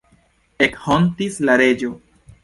Ekhontis la reĝo.